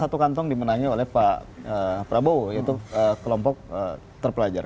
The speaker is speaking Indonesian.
satu kantong dimenangi oleh pak prabowo yaitu kelompok terpelajar